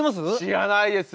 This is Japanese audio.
知らないです。